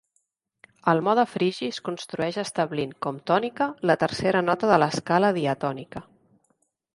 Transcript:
El mode frigi es construeix establint com tònica la tercera nota de l'escala diatònica.